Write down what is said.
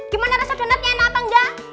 gimana rasa donatnya enak apa enggak